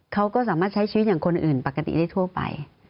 เขาก็สามารถใช้ชีวิตอย่างคนอื่นปกติได้ทั่วไป